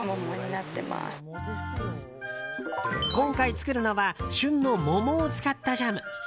今回作るのは旬の桃を使ったジャム。